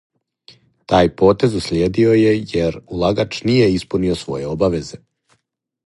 Тај потез услиједио је јер улагач није испунио своје обавезе.